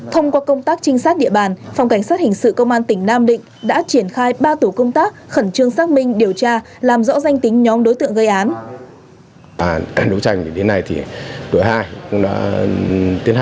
thông qua công tác trinh sát địa bàn phòng cảnh sát hình sự công an tỉnh nam định đã triển khai ba tổ công tác khẩn trương xác minh điều tra làm rõ danh tính nhóm đối tượng gây án